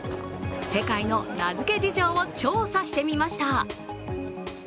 世界の名付け事情を調査してみました。